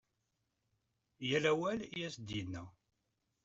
Yal awal i as-d-yenna.